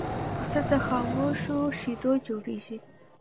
پوڅه د خامو شیدونه جوړیږی.